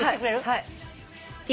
はい。